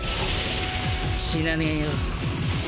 死なねえよ。